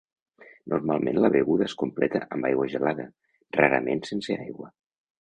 Normalment la beguda es completa amb aigua gelada, rarament sense aigua.